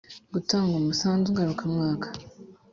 Gutanga umusanzu ngarukamwaka